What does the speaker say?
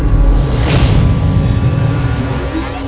aku akan menang